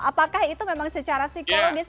apakah itu memang secara psikologis